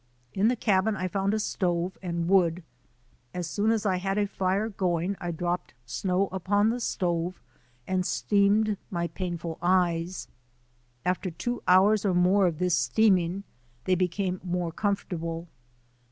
In the cabin I found a stove and wood. As SNOW BLINDED ON THE SUMMIT i 7 soon as I had a fire going I dropped snow upon the stove and steamed my painful eyes. After two hours or more of this steaming they became more comfortable.